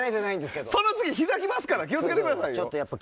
その次、ひざ来ますから気を付けてくださいよ。